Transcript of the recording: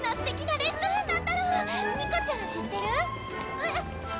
えっ⁉